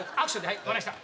分かりました。